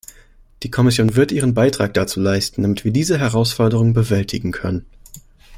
Die Kommission wird ihren Beitrag dazu leisten, damit wir diese Herausforderung bewältigen können.